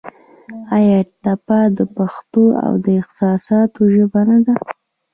آیا ټپه د پښتو د احساساتو ژبه نه ده؟